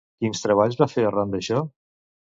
Quins treballs va fer arran d'això?